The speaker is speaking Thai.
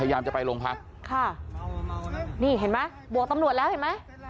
พยายามจะไปโรงพักค่ะนี่เห็นไหมบวกตำรวจแล้วเห็นไหม